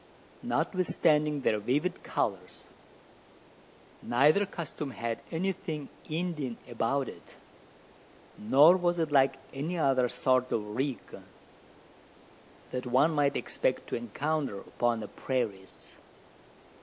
Notwithstanding their vivid colours, neither costume had anything Indian about it: nor was it like any other sort of "rig" that one might expect to encounter upon the prairies.